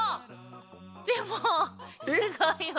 でもすごいわ。